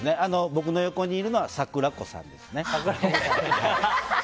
僕の横にいるのはサクラコさんですね。